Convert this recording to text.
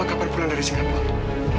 kapan pulang dari singapura